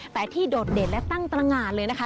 แต่ที่โดดเด่นและตั้งตรงานเลยนะคะ